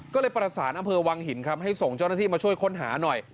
ก็เลยประสานอำเภอวังหินครับให้ส่งเจ้าหน้าที่มาช่วยค้นหาหน่อย